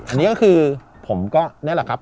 อันนี้ก็คือผมก็นี่แหละครับ